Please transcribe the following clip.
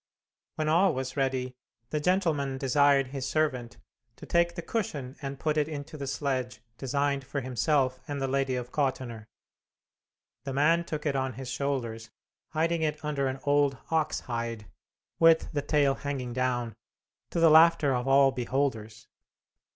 When all was ready, the gentleman desired his servant to take the cushion and put it into the sledge designed for himself and the Lady of Kottenner. The man took it on his shoulders, hiding it under an old ox hide, with the tail hanging down, to the laughter of all beholders.